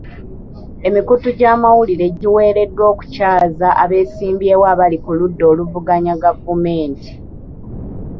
Emikutu gy'amawulire giwereddwa okukyaza abeesimbyewo abali ku ludda oluvuganya gavumenti.